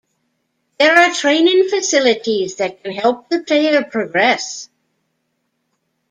There are training facilities that can help the player progress.